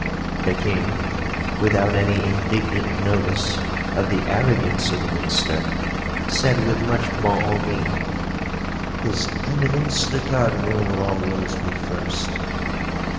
The King, without any indignant notice of the arrogance of the minister, said, with much bon hommie, 'His Eminence the Cardinal will always be first.'